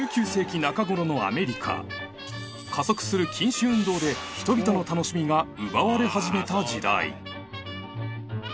加速する禁酒運動で人々の楽しみが奪われ始めた時代